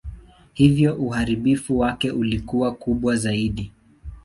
Hivyo uharibifu wake ulikuwa kubwa zaidi.